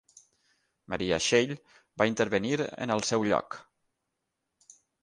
Maria Schell va intervenir en el seu lloc.